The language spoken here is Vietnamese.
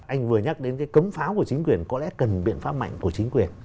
anh vừa nhắc đến cái cấm pháo của chính quyền có lẽ cần biện pháp mạnh của chính quyền